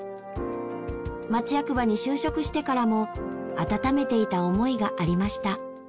町役場に就職してからも温めていた思いがありました。